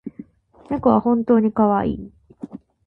猫は本当にかわいい